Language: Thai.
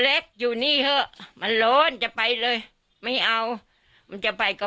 เล็กอยู่นี่เถอะมันร้อนจะไปเลยไม่เอามันจะไปก็